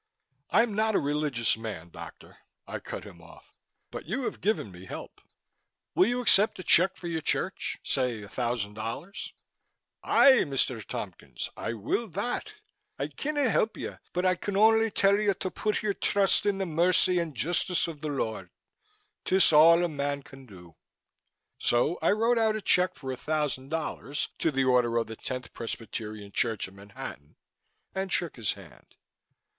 "I'm not a religious man, doctor," I cut him off, "but you have given me help. Will you accept a check for your church say a thousand dollars?" "Aye, Mr. Tompkins, I will that! I cannot help you but I can only tell you to put your trust in the mercy and the justice of the Lord. 'Tis all a man can do." So I wrote out a check for a thousand dollars to the order of the Tenth Presbyterian Church of Manhattan, and shook his hand.